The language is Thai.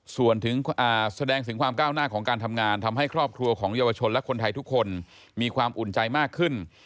ส่วนถึงแสดงถึงความก้าวหน้าของการทำงานทำให้ครอบครัวของเยาวชนและคนไทยทุกคนมีความอุ่นใจมากขึ้น